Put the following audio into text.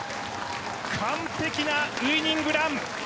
完璧なウイニングラン。